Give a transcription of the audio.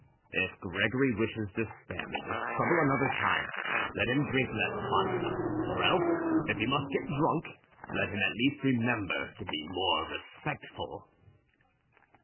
"If Gregory wishes to spare me this trouble another time, let him drink less vodka; or else, if he must get drunk, let him at least remember to be more respectful."